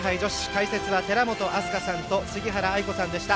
解説は寺本明日香さんと杉原愛子さんでした。